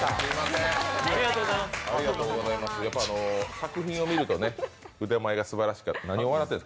作品を見るとね、腕前がすばらしかった。